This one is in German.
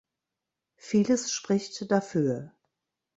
Vieles spricht dafür.